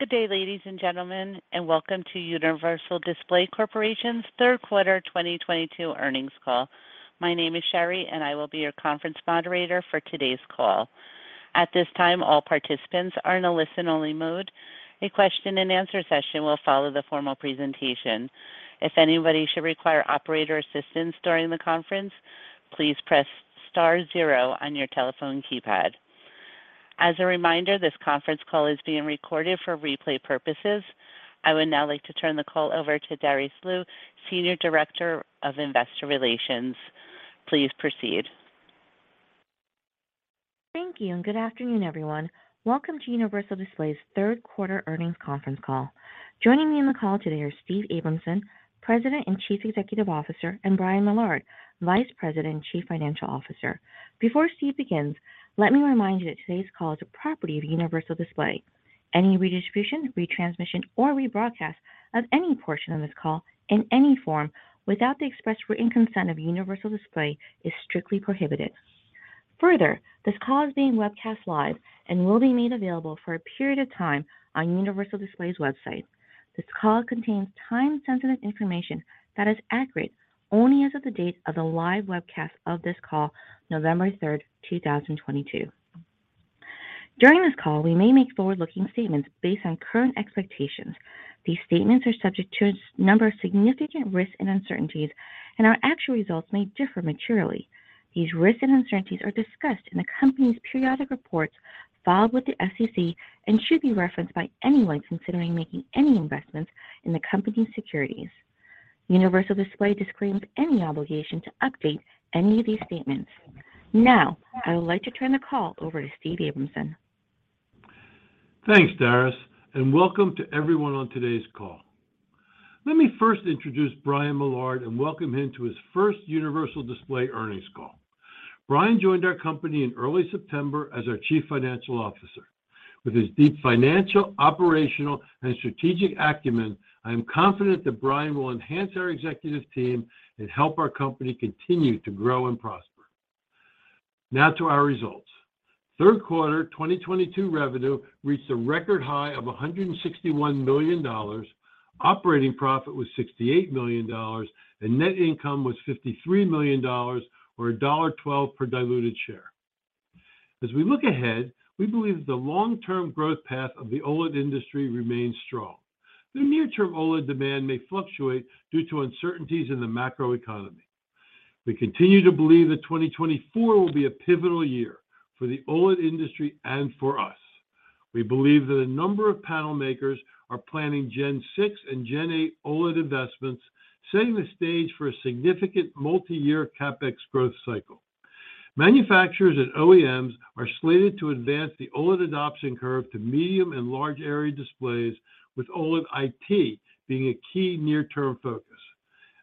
Good day, ladies and gentlemen, and welcome to Universal Display Corporation's third quarter 2022 earnings call. My name is Sherry, and I will be your conference moderator for today's call. At this time, all participants are in a listen-only mode. A question-and-answer session will follow the formal presentation. If anybody should require operator assistance during the conference, please press star zero on your telephone keypad. As a reminder, this conference call is being recorded for replay purposes. I would now like to turn the call over to Darice Liu, Senior Director of Investor Relations. Please proceed. Thank you, and good afternoon, everyone. Welcome to Universal Display's third quarter earnings conference call. Joining me on the call today are Steve Abramson, President and Chief Executive Officer, and Brian Millard, Vice President and Chief Financial Officer. Before Steve begins, let me remind you that today's call is a property of Universal Display. Any redistribution, retransmission, or rebroadcast of any portion of this call in any form without the express written consent of Universal Display is strictly prohibited. Further, this call is being webcast live and will be made available for a period of time on Universal Display's website. This call contains time-sensitive information that is accurate only as of the date of the live webcast of this call, November 3rd, 2022. During this call, we may make forward-looking statements based on current expectations. These statements are subject to a number of significant risks and uncertainties, and our actual results may differ materially. These risks and uncertainties are discussed in the company's periodic reports filed with the SEC and should be referenced by anyone considering making any investments in the company's securities. Universal Display disclaims any obligation to update any of these statements. Now, I would like to turn the call over to Steve Abramson. Thanks, Darice, and welcome to everyone on today's call. Let me first introduce Brian Millard and welcome him to his first Universal Display earnings call. Brian joined our company in early September as our Chief Financial Officer. With his deep financial, operational, and strategic acumen, I am confident that Brian will enhance our executive team and help our company continue to grow and prosper. Now to our results. Third quarter 2022 revenue reached a record high of $161 million. Operating profit was $68 million, and net income was $53 million or $1.12 per diluted share. As we look ahead, we believe the long-term growth path of the OLED industry remains strong, though near-term OLED demand may fluctuate due to uncertainties in the macro economy. We continue to believe that 2024 will be a pivotal year for the OLED industry and for us. We believe that a number of panel makers are planning Gen 6 and Gen 8 OLED investments, setting the stage for a significant multi-year CapEx growth cycle. Manufacturers and OEMs are slated to advance the OLED adoption curve to medium and large area displays, with OLED IT being a key near-term focus.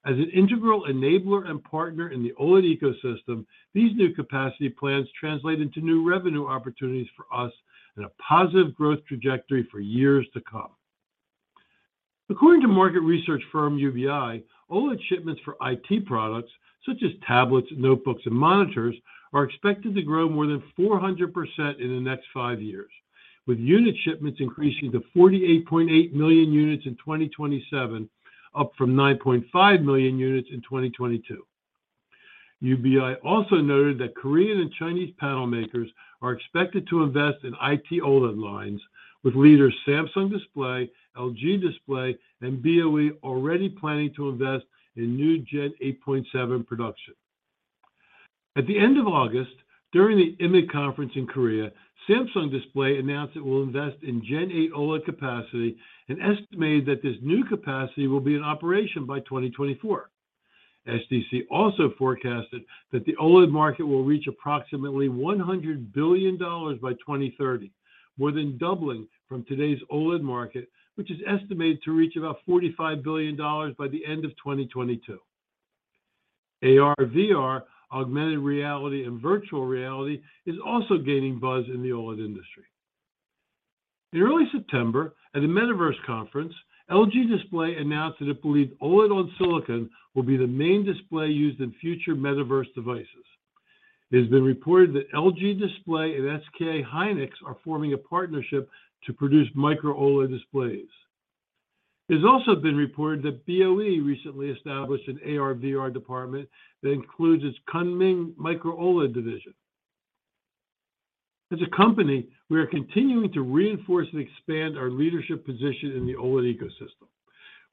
As an integral enabler and partner in the OLED ecosystem, these new capacity plans translate into new revenue opportunities for us and a positive growth trajectory for years to come. According to market research firm UBI, OLED shipments for IT products such as tablets, notebooks, and monitors are expected to grow more than 400% in the next five years, with unit shipments increasing to 48.8 million units in 2027, up from 9.5 million units in 2022. UBI also noted that Korean and Chinese panel makers are expected to invest in IT OLED lines, with leaders Samsung Display, LG Display, and BOE already planning to invest in new Gen 8.7 production. At the end of August, during the IMID conference in Korea, Samsung Display announced it will invest in Gen 8 OLED capacity and estimated that this new capacity will be in operation by 2024. SDC also forecasted that the OLED market will reach approximately $100 billion by 2030, more than doubling from today's OLED market, which is estimated to reach about $45 billion by the end of 2022. AR/VR, augmented reality and virtual reality, is also gaining buzz in the OLED industry. In early September, at the Metaverse conference, LG Display announced that it believed OLED on silicon will be the main display used in future Metaverse devices. It has been reported that LG Display and SK hynix are forming a partnership to produce Micro OLED displays. It has also been reported that BOE recently established an AR/VR department that includes its Kunming Micro OLED division. As a company, we are continuing to reinforce and expand our leadership position in the OLED ecosystem.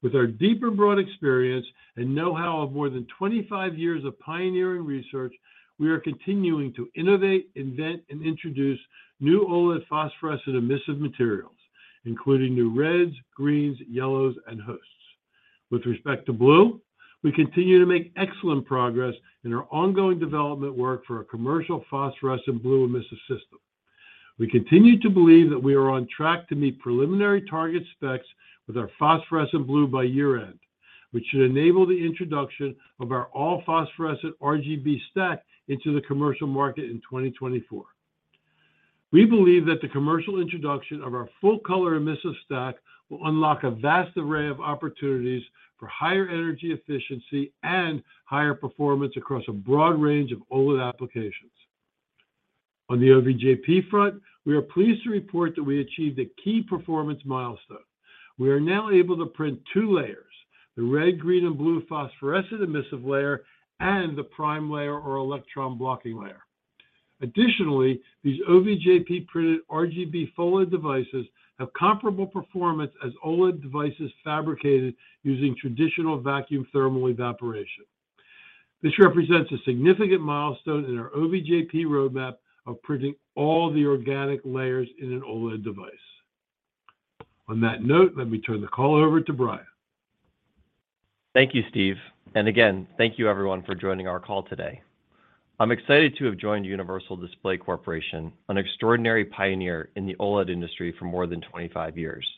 With our deep and broad experience and know-how of more than 25 years of pioneering research, we are continuing to innovate, invent, and introduce new OLED phosphorescent emissive materials, including new reds, greens, yellows, and hosts. With respect to blue, we continue to make excellent progress in our ongoing development work for a commercial phosphorescent blue emissive system. We continue to believe that we are on track to meet preliminary target specs with our phosphorescent blue by year-end, which should enable the introduction of our all-phosphorescent RGB stack into the commercial market in 2024. We believe that the commercial introduction of our full-color emissive stack will unlock a vast array of opportunities for higher energy efficiency and higher performance across a broad range of OLED applications. On the OVJP front, we are pleased to report that we achieved a key performance milestone. We are now able to print two layers, the red, green, and blue phosphorescent emissive layer and the priming layer or electron blocking layer. Additionally, these OVJP printed RGB OLED devices have comparable performance as OLED devices fabricated using traditional vacuum thermal evaporation. This represents a significant milestone in our OVJP roadmap of printing all the organic layers in an OLED device. On that note, let me turn the call over to Brian. Thank you, Steve. Again, thank you everyone for joining our call today. I'm excited to have joined Universal Display Corporation, an extraordinary pioneer in the OLED industry for more than 25 years.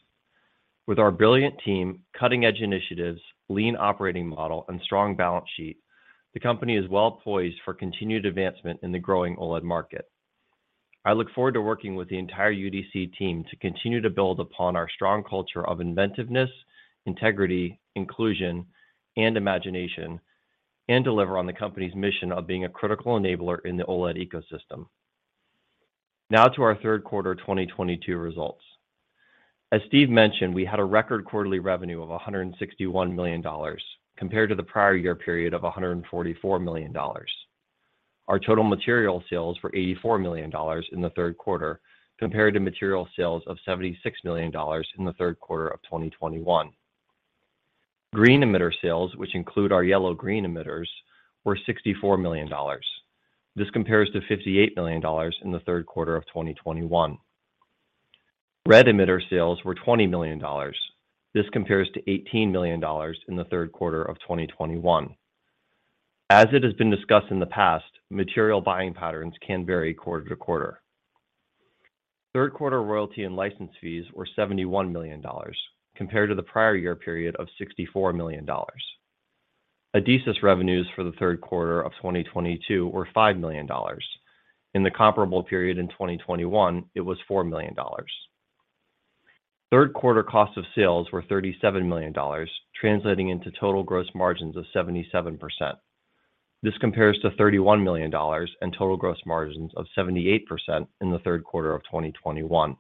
With our brilliant team, cutting-edge initiatives, lean operating model, and strong balance sheet, the company is well poised for continued advancement in the growing OLED market. I look forward to working with the entire UDC team to continue to build upon our strong culture of inventiveness, integrity, inclusion, and imagination, and deliver on the company's mission of being a critical enabler in the OLED ecosystem. Now to our third quarter 2022 results. As Steve mentioned, we had a record quarterly revenue of $161 million compared to the prior year period of $144 million. Our total material sales were $84 million in the third quarter compared to material sales of $76 million in the third quarter of 2021. Green emitter sales, which include our yellow-green emitters, were $64 million. This compares to $58 million in the third quarter of 2021. Red emitter sales were $20 million. This compares to $18 million in the third quarter of 2021. As it has been discussed in the past, material buying patterns can vary quarter to quarter. Third quarter royalty and license fees were $71 million compared to the prior year period of $64 million. Adesis revenues for the third quarter of 2022 were $5 million. In the comparable period in 2021, it was $4 million. Third quarter cost of sales were $37 million, translating into total gross margins of 77%. This compares to $31 million and total gross margins of 78% in the third quarter of 2021.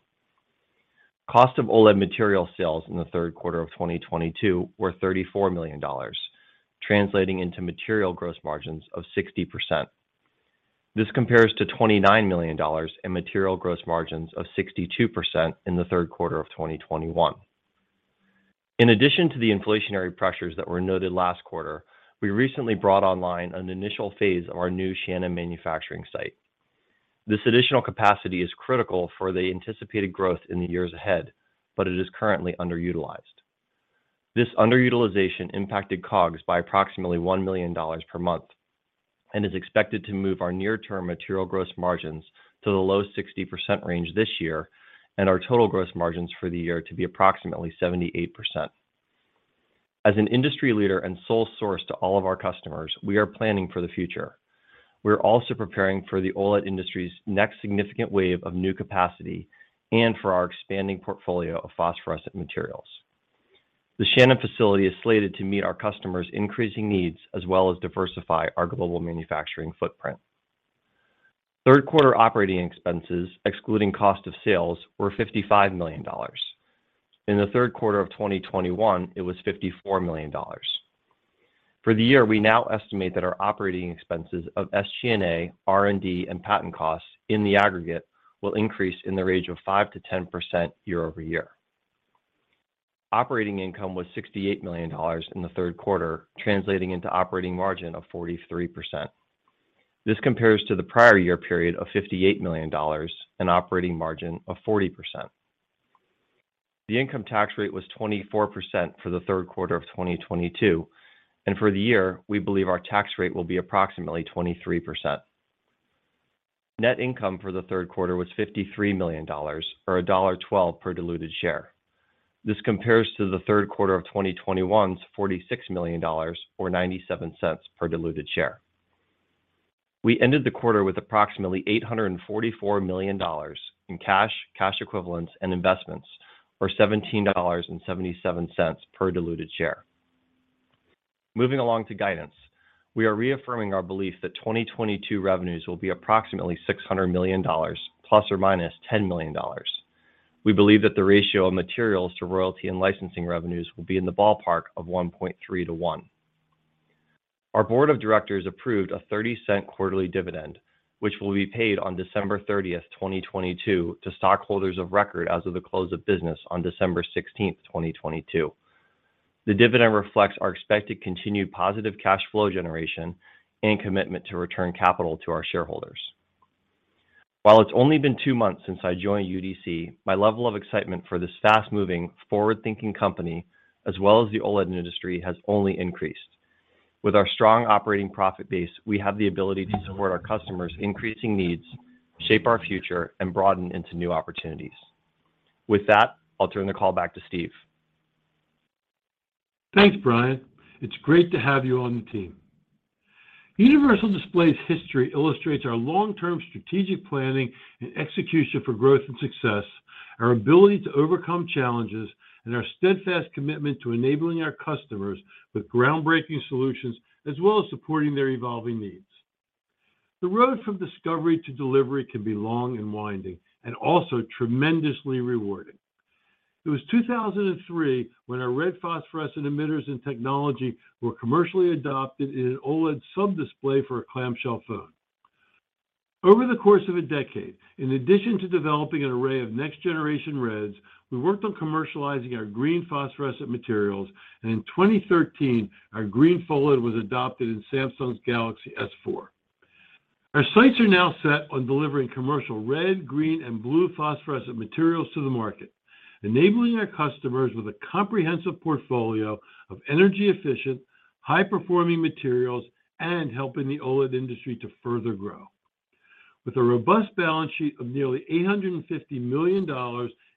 Cost of OLED material sales in the third quarter of 2022 were $34 million, translating into material gross margins of 60%. This compares to $29 million in material gross margins of 62% in the third quarter of 2021. In addition to the inflationary pressures that were noted last quarter, we recently brought online an initial phase of our new Shannon manufacturing site. This additional capacity is critical for the anticipated growth in the years ahead, but it is currently underutilized. This underutilization impacted COGS by approximately $1 million per month and is expected to move our near-term material gross margins to the low 60% range this year and our total gross margins for the year to be approximately 78%. As an industry leader and sole source to all of our customers, we are planning for the future. We are also preparing for the OLED industry's next significant wave of new capacity and for our expanding portfolio of phosphorescent materials. The Shannon facility is slated to meet our customers' increasing needs as well as diversify our global manufacturing footprint. Third quarter operating expenses, excluding cost of sales, were $55 million. In the third quarter of 2021, it was $54 million. For the year, we now estimate that our operating expenses of SG&A, R&D, and patent costs in the aggregate will increase in the range of 5%-10% year-over-year. Operating income was $68 million in the third quarter, translating into operating margin of 43%. This compares to the prior year period of $58 million and operating margin of 40%. The income tax rate was 24% for the third quarter of 2022, and for the year, we believe our tax rate will be approximately 23%. Net income for the third quarter was $53 million or $1.12 per diluted share. This compares to the third quarter of 2021's $46 million or $0.97 per diluted share. We ended the quarter with approximately $844 million in cash equivalents, and investments, or $17.77 per diluted share. Moving along to guidance, we are reaffirming our belief that 2022 revenues will be approximately $600 million ±$10 million. We believe that the ratio of materials to royalty and licensing revenues will be in the ballpark of 1.3 to one. Our board of directors approved a $0.30 quarterly dividend, which will be paid on December 30th, 2022 to stockholders of record as of the close of business on December 16, 2022. The dividend reflects our expected continued positive cash flow generation and commitment to return capital to our shareholders. While it's only been two months since I joined UDC, my level of excitement for this fast-moving, forward-thinking company as well as the OLED industry has only increased. With our strong operating profit base, we have the ability to support our customers' increasing needs, shape our future, and broaden into new opportunities. With that, I'll turn the call back to Steve. Thanks, Brian. It's great to have you on the team. Universal Display's history illustrates our long-term strategic planning and execution for growth and success. Our ability to overcome challenges and our steadfast commitment to enabling our customers with groundbreaking solutions as well as supporting their evolving needs. The road from discovery to delivery can be long and winding, and also tremendously rewarding. It was 2003 when our red phosphorescent emitters and technology were commercially adopted in an OLED sub-display for a clamshell phone. Over the course of a decade, in addition to developing an array of next generation reds, we worked on commercializing our green phosphorescent materials, and in 2013 our green OLED was adopted in Samsung's Galaxy S4. Our sights are now set on delivering commercial red, green, and blue phosphorescent materials to the market, enabling our customers with a comprehensive portfolio of energy efficient, high-performing materials and helping the OLED industry to further grow. With a robust balance sheet of nearly $850 million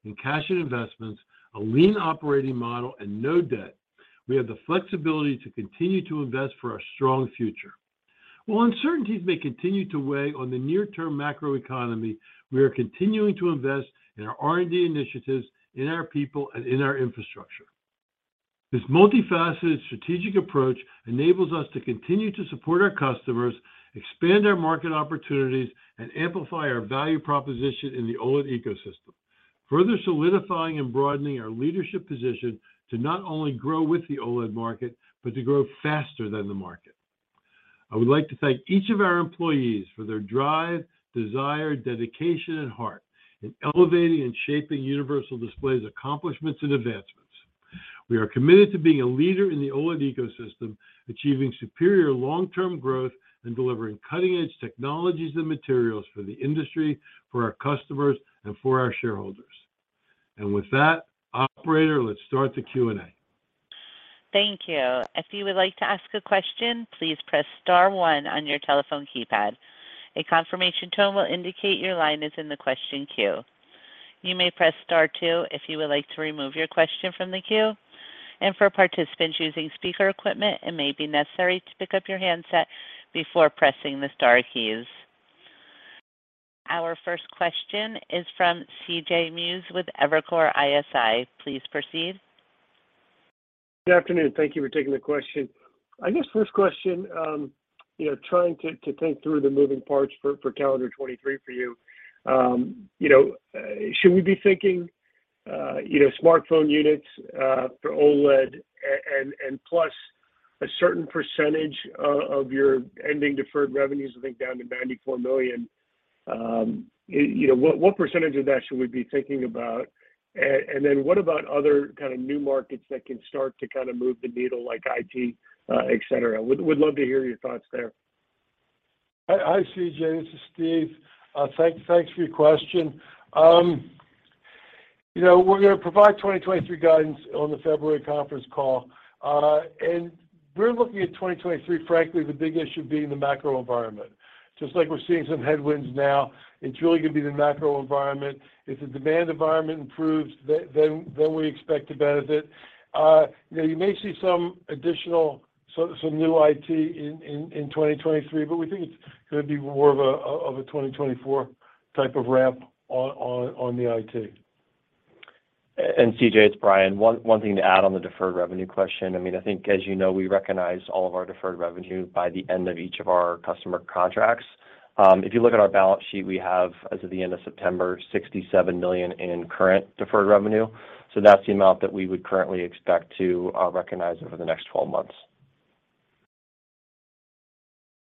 in cash and investments, a lean operating model and no debt, we have the flexibility to continue to invest for our strong future. While uncertainties may continue to weigh on the near-term macroeconomy, we are continuing to invest in our R&D initiatives, in our people, and in our infrastructure. This multifaceted strategic approach enables us to continue to support our customers, expand our market opportunities, and amplify our value proposition in the OLED ecosystem, further solidifying and broadening our leadership position to not only grow with the OLED market, but to grow faster than the market. I would like to thank each of our employees for their drive, desire, dedication, and heart in elevating and shaping Universal Display's accomplishments and advancements. We are committed to being a leader in the OLED ecosystem, achieving superior long-term growth, and delivering cutting-edge technologies and materials for the industry, for our customers, and for our shareholders. With that, operator, let's start the Q&A. Thank you. If you would like to ask a question, please press star one on your telephone keypad. A confirmation tone will indicate your line is in the question queue. You may press star two if you would like to remove your question from the queue. For participants using speaker equipment, it may be necessary to pick up your handset before pressing the star keys. Our first question is from CJ Muse with Evercore ISI. Please proceed. Good afternoon. Thank you for taking the question. I guess first question, you know, trying to think through the moving parts for calendar 2023 for you. You know, should we be thinking, you know, smartphone units for OLED and plus a certain percentage of your ending deferred revenues, I think down to $94 million. You know, what percentage of that should we be thinking about? Then what about other kind of new markets that can start to kind of move the needle like IT, et cetera? Would love to hear your thoughts there. Hi, CJ This is Steve. Thanks for your question. You know, we're gonna provide 2023 guidance on the February conference call. We're looking at 2023, frankly, the big issue being the macro environment. Just like we're seeing some headwinds now, it's really gonna be the macro environment. If the demand environment improves, then we expect to benefit. You know, you may see some additional some new IT in 2023, but we think it's gonna be more of a 2024 type of ramp on the IT. CJ, it's Brian. One thing to add on the deferred revenue question. I mean, I think as you know, we recognize all of our deferred revenue by the end of each of our customer contracts. If you look at our balance sheet, we have, as of the end of September, $67 million in current deferred revenue. That's the amount that we would currently expect to recognize over the next 12 months.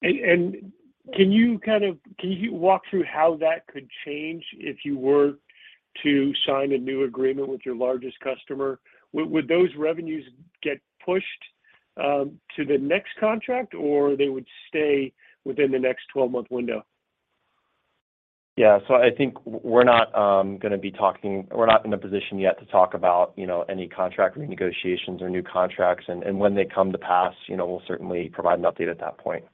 Can you walk through how that could change if you were to sign a new agreement with your largest customer? Would those revenues get pushed to the next contract, or they would stay within the next twelve-month window? I think we're not in a position yet to talk about, you know, any contract renegotiations or new contracts. When they come to pass, you know, we'll certainly provide an update at that point.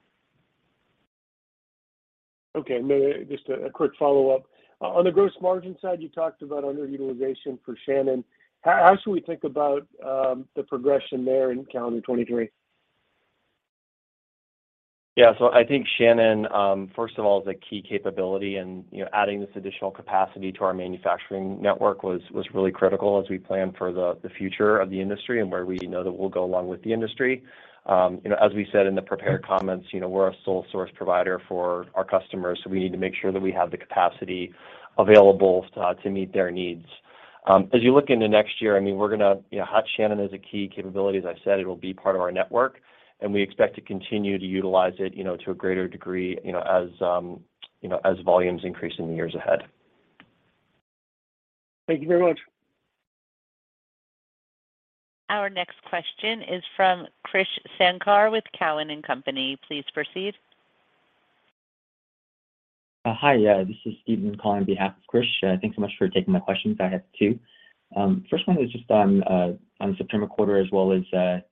Okay. Maybe just a quick follow-up. On the gross margin side, you talked about underutilization for China. How should we think about the progression there in calendar 2023? Yeah. I think Shannon, first of all, is a key capability and, you know, adding this additional capacity to our manufacturing network was really critical as we plan for the future of the industry and where we know that we'll go along with the industry. You know, as we said in the prepared comments, you know, we're a sole source provider for our customers, so we need to make sure that we have the capacity available to meet their needs. As you look into next year, I mean, we're gonna have Shannon as a key capability. As I said, it will be part of our network, and we expect to continue to utilize it, you know, to a greater degree, you know, as volumes increase in the years ahead. Thank you very much. Our next question is from Krish Sankar with Cowen and Company. Please proceed. Hi. This is Steven calling on behalf of Krish. Thanks so much for taking my questions. I have two. First one is just on September quarter as well as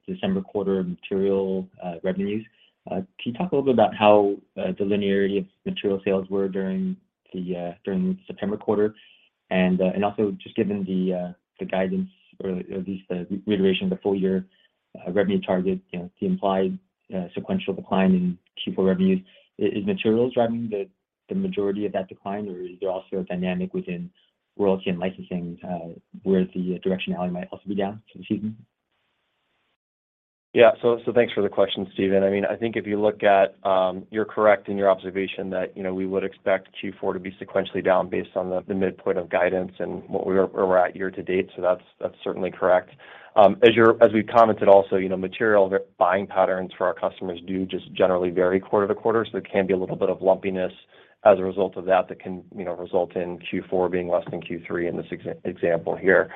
December quarter material revenues. Can you talk a little bit about how the linearity of material sales were during September quarter? And also just given the guidance or at least the reiteration of the full year revenue target, you know, the implied sequential decline in Q4 revenues, is materials driving the majority of that decline, or is there also a dynamic within royalty and licensing where the directionality might also be down for the season? Thanks for the question, Steven. I mean, I think if you look at, you're correct in your observation that, you know, we would expect Q4 to be sequentially down based on the midpoint of guidance and where we're at year to date. That's certainly correct. As we've commented also, you know, material rebuying patterns for our customers do just generally vary quarter to quarter, so there can be a little bit of lumpiness as a result of that that can, you know, result in Q4 being less than Q3 in this example here.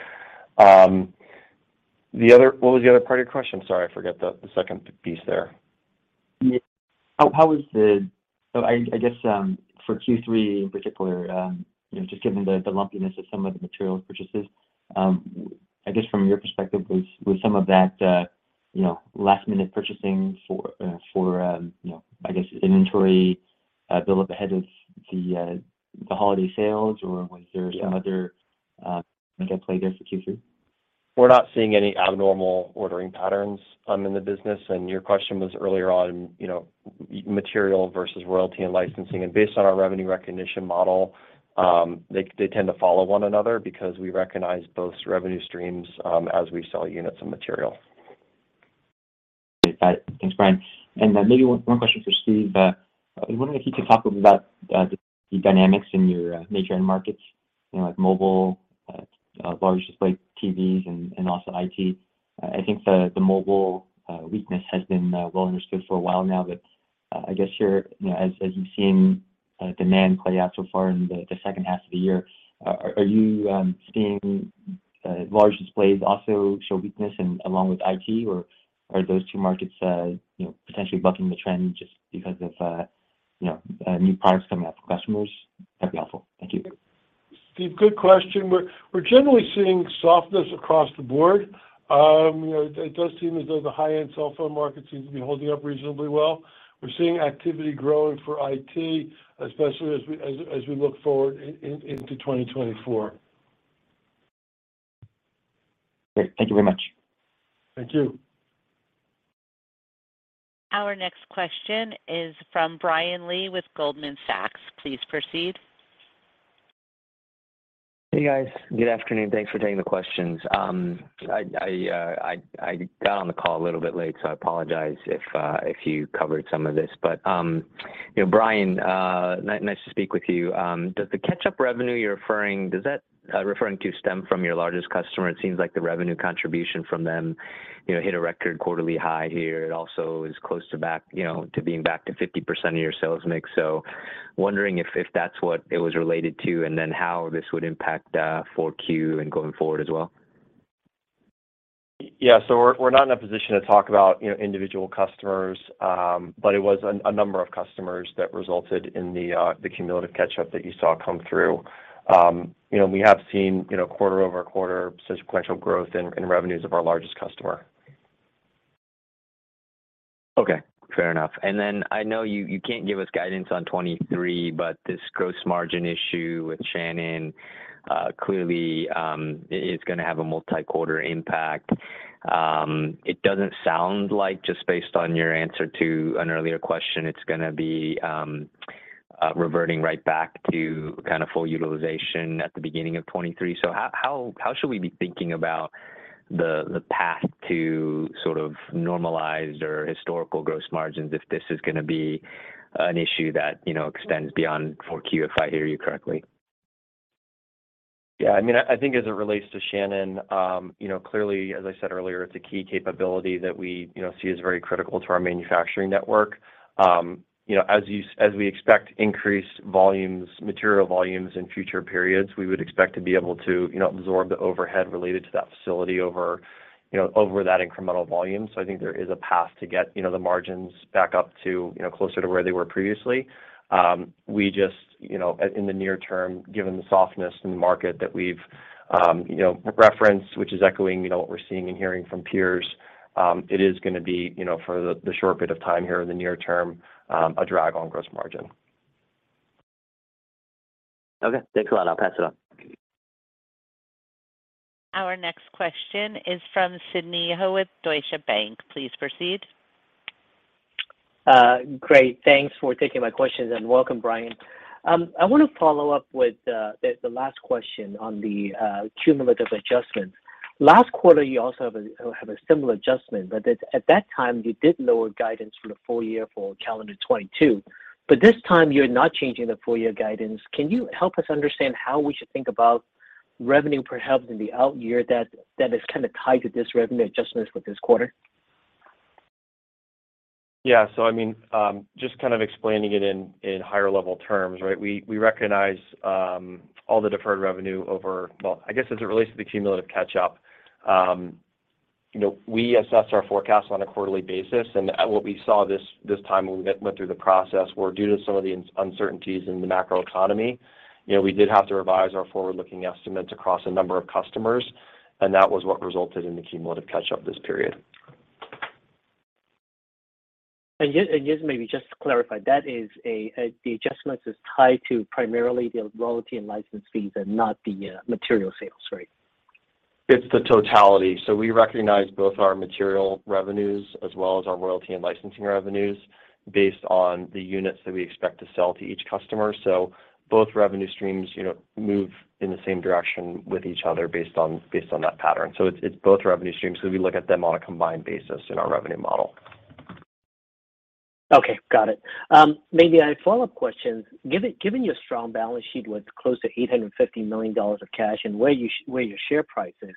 What was the other part of your question? Sorry, I forget the second piece there. I guess, for Q3 in particular, you know, just given the lumpiness of some of the materials purchases, I guess, from your perspective, was some of that, you know, last-minute purchasing for inventory build up ahead of the holiday sales, or was there? Yeah some other things at play there for Q3? We're not seeing any abnormal ordering patterns in the business, and your question was earlier on, you know, material versus royalty and licensing. Based on our revenue recognition model, they tend to follow one another because we recognize both revenue streams as we sell units and material. Thanks, Brian. Maybe one question for Steve. I wonder if you could talk a bit about the dynamics in your major end markets, you know, like mobile, large display TVs and also IT. I think the mobile weakness has been well understood for a while now, but I guess, you know, as you've seen demand play out so far in the second half of the year, are you seeing large displays also show weakness along with IT, or are those two markets, you know, potentially bucking the trend just because of, you know, new products coming out for customers? That'd be helpful. Thank you. Steve, good question. We're generally seeing softness across the board. You know, it does seem as though the high-end cell phone market seems to be holding up reasonably well. We're seeing activity growing for IT, especially as we look forward into 2024. Great. Thank you very much. Thank you. Our next question is from Brian Lee with Goldman Sachs. Please proceed. Hey, guys. Good afternoon. Thanks for taking the questions. I got on the call a little bit late, so I apologize if you covered some of this. You know, Brian, nice to speak with you. Does the catch-up revenue you're referring to stem from your largest customer? It seems like the revenue contribution from them, you know, hit a record quarterly high here. It also is close to being back to 50% of your sales mix. Wondering if that's what it was related to, and then how this would impact 4Q and going forward as well. Yeah. We're not in a position to talk about, you know, individual customers, but it was a number of customers that resulted in the cumulative catch-up that you saw come through. You know, we have seen, you know, quarter-over-quarter sequential growth in revenues of our largest customer. Okay. Fair enough. I know you can't give us guidance on 2023, but this gross margin issue with Samsung clearly is gonna have a multi-quarter impact. It doesn't sound like, just based on your answer to an earlier question, it's gonna be reverting right back to kind of full utilization at the beginning of 2023. How should we be thinking about the path to sort of normalized or historical gross margins if this is gonna be an issue that you know extends beyond 4Q, if I hear you correctly? Yeah. I mean, I think as it relates to Shannon, you know, clearly, as I said earlier, it's a key capability that we, you know, see as very critical to our manufacturing network. You know, as we expect increased volumes, material volumes in future periods, we would expect to be able to, you know, absorb the overhead related to that facility over, you know, over that incremental volume. I think there is a path to get, you know, the margins back up to, you know, closer to where they were previously. We just, you know, in the near-term, given the softness in the market that we've, you know, referenced, which is echoing, you know, what we're seeing and hearing from peers, it is gonna be, you know, for the short bit of time here in the near-term, a drag on gross margin. Okay. Thanks a lot. I'll pass it on. Our next question is from Sidney Ho with Deutsche Bank. Please proceed. Great. Thanks for taking my questions, and welcome, Brian. I want to follow up with the last question on the cumulative adjustments. Last quarter, you also have a similar adjustment, but at that time, you did lower guidance for the full year for calendar 2022. This time, you're not changing the full year guidance. Can you help us understand how we should think about revenue perhaps in the out year that is kind of tied to this revenue adjustments with this quarter? Yeah. I mean, just kind of explaining it in higher level terms, right? We recognize all the deferred revenue over. Well, I guess as it relates to the cumulative catch-up, you know, we assess our forecast on a quarterly basis, and what we saw this time when we went through the process were due to some of the uncertainties in the macro economy, you know, we did have to revise our forward-looking estimates across a number of customers, and that was what resulted in the cumulative catch-up this period. Just maybe just to clarify, that is a, the adjustments is tied to primarily the royalty and license fees and not the, material sales, right? It's the totality. We recognize both our material revenues as well as our royalty and licensing revenues based on the units that we expect to sell to each customer. Both revenue streams, you know, move in the same direction with each other based on that pattern. It's both revenue streams, so we look at them on a combined basis in our revenue model. Okay, got it. Maybe a follow-up question. Given your strong balance sheet with close to $850 million of cash and where your share price is,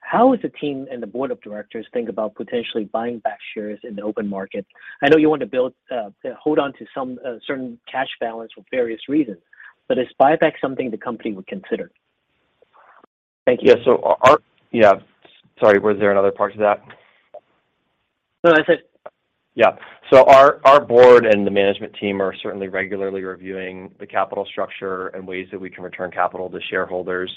how is the team and the board of directors think about potentially buying back shares in the open market? I know you want to hold on to some certain cash balance for various reasons, but is buyback something the company would consider? Thank you. Yeah, sorry, was there another part to that? No, that's it. Yeah. Our board and the management team are certainly regularly reviewing the capital structure and ways that we can return capital to shareholders.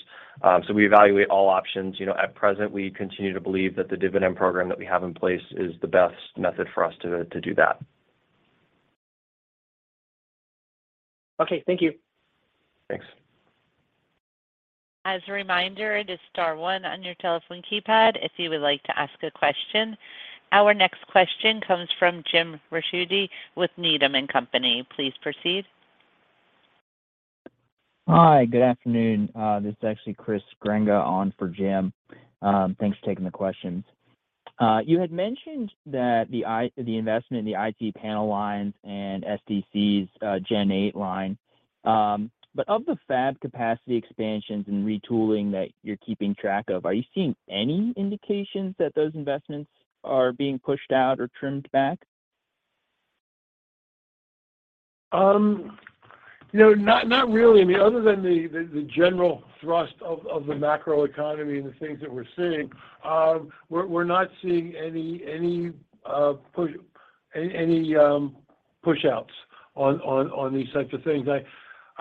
We evaluate all options. You know, at present, we continue to believe that the dividend program that we have in place is the best method for us to do that. Okay, thank you. Thanks. As a reminder, it is star one on your telephone keypad if you would like to ask a question. Our next question comes from James Ricchiuti with Needham & Company. Please proceed. Hi, good afternoon. This is actually Chris Grenga on for Jim. Thanks for taking the questions. You had mentioned that the investment in the IT panel lines and SDC's Gen 8 line. Of the fab capacity expansions and retooling that you're keeping track of, are you seeing any indications that those investments are being pushed out or trimmed back? You know, not really. I mean, other than the general thrust of the macro economy and the things that we're seeing, we're not seeing any push outs on these types of things.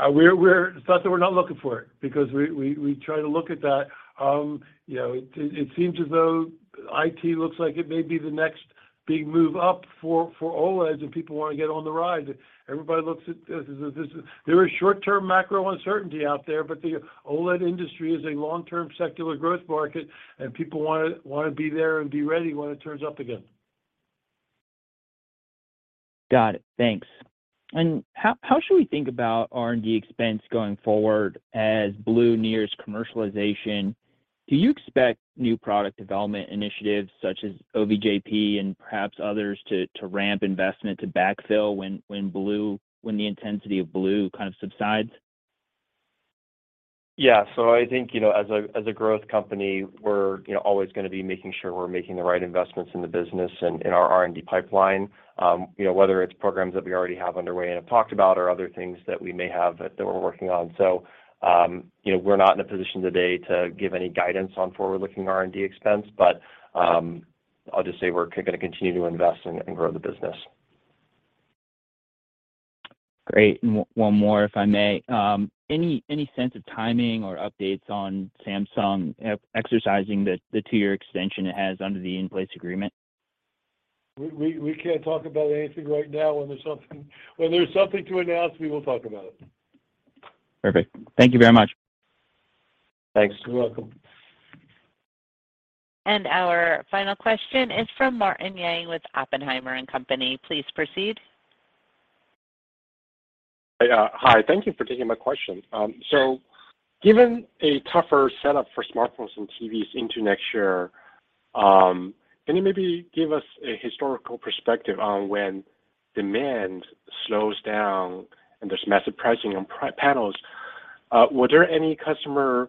We're not looking for it because we try to look at that. You know, it seems as though it looks like it may be the next big move up for OLEDs, and people wanna get on the ride. Everybody looks at this as if There is short-term macro uncertainty out there, but the OLED industry is a long-term secular growth market, and people wanna be there and be ready when it turns up again. Got it. Thanks. How should we think about R&D expense going forward as blue nears commercialization? Do you expect new product development initiatives such as OVJP and perhaps others to ramp investment to backfill when the intensity of blue kind of subsides? Yeah. I think, you know, as a growth company, we're, you know, always gonna be making sure we're making the right investments in the business and in our R&D pipeline. You know, whether it's programs that we already have underway and have talked about or other things that we may have that we're working on. You know, we're not in a position today to give any guidance on forward-looking R&D expense, but I'll just say we're gonna continue to invest and grow the business. Great. One more, if I may. Any sense of timing or updates on Samsung exercising the two-year extension it has under the in-place agreement? We can't talk about anything right now. When there's something to announce, we will talk about it. Perfect. Thank you very much. Thanks. You're welcome. Our final question is from Martin Yang with Oppenheimer & Co. Please proceed. Yeah. Hi, thank you for taking my question. So given a tougher setup for smartphones and TVs into next year, can you maybe give us a historical perspective on when demand slows down and there's massive pricing on panels, were there any customer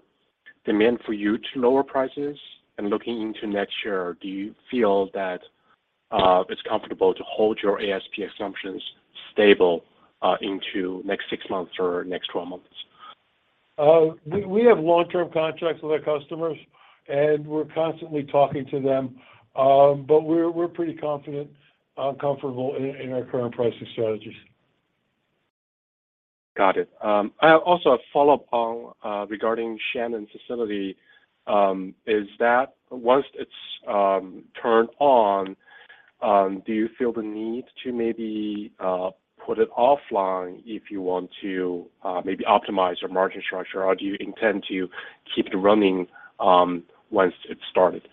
demand for you to lower prices? Looking into next year, do you feel that it's comfortable to hold your ASP assumptions stable into next six months or next twelve months? We have long-term contracts with our customers, and we're constantly talking to them. We're pretty confident, comfortable in our current pricing strategies. Got it. I also have follow-up on regarding Shannon facility. Is that once it's turned on, do you feel the need to maybe put it offline if you want to maybe optimize your margin structure, or do you intend to keep it running once it's started?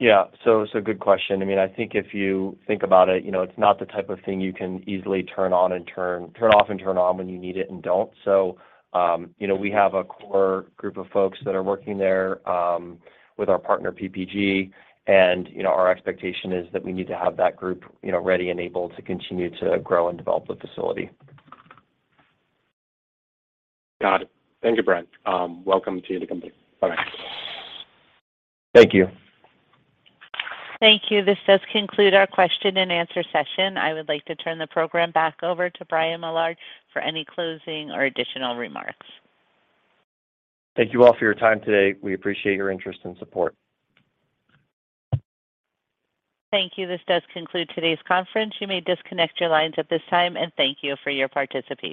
Yeah. It's a good question. I mean, I think if you think about it, you know, it's not the type of thing you can easily turn on and turn off and turn on when you need it and don't. We have a core group of folks that are working there, with our partner PPG, and, you know, our expectation is that we need to have that group, you know, ready and able to continue to grow and develop the facility. Got it. Thank you, Brian. Welcome to the company. Bye-bye. Thank you. Thank you. This does conclude our question and answer session. I would like to turn the program back over to Brian Millard for any closing or additional remarks. Thank you all for your time today. We appreciate your interest and support. Thank you. This does conclude today's conference. You may disconnect your lines at this time, and thank you for your participation.